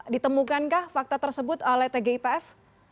ditemukankah fakta tersebut oleh tgipf